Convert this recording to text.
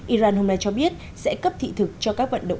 iran hôm nay cho biết sẽ cấp thị thực cho các vận động viên đồng